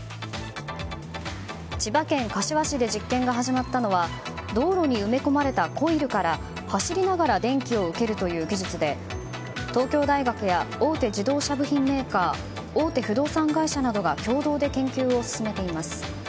千葉県柏市で実験が始まったのは道路に埋め込まれたコイルから走りながら電気を受けるという技術で東京大学や大手自動車部品メーカー大手不動産会社などが共同で研究を進めています。